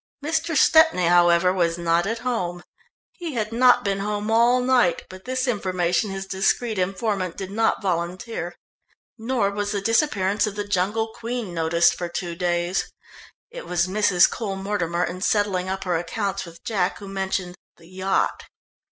Mr. Stepney, however, was not at home he had not been home all night, but this information his discreet informant did not volunteer. Nor was the disappearance of the Jungle Queen noticed for two days. It was Mrs. Cole Mortimer, in settling up her accounts with Jack, who mentioned the "yacht."